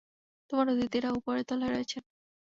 তোমার অতিথিরা উপরের তলায় রয়েছেন।